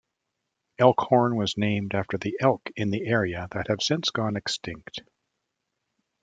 Elkhorn was named after the elk in the area that have since gone extinct.